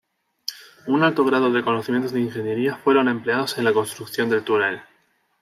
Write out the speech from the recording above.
Un alto grado de conocimientos de ingeniería fueron empleados en la construcción del túnel.